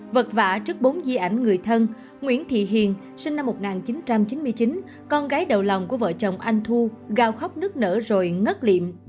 vật vã trước bốn di ảnh người thân nguyễn thị hiền sinh năm một nghìn chín trăm chín mươi chín con gái đầu lòng của vợ chồng anh thu gào khóc nứt nở rồi ngất liệm